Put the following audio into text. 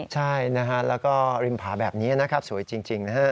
ใช่นะฮะแล้วก็ริมผาแบบนี้นะครับสวยจริงนะฮะ